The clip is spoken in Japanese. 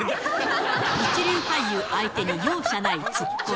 一流俳優相手に、容赦ないツッコミ。